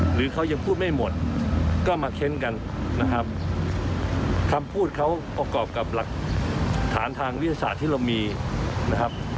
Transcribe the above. หรือเขายังพูดไม่หมดก็มาเค้นกันนะครับคำพูดเขาประกอบกับหลักฐานทางวิทยาศาสตร์ที่เรามีนะครับ